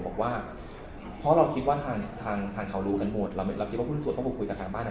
บอกว่าเพราะเราคิดว่าทางทางเขารู้กันหมดเราคิดว่าหุ้นส่วนเขาคงคุยกับทางบ้านอ่ะ